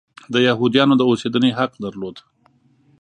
د یهودیانو د اوسېدنې حق درلود.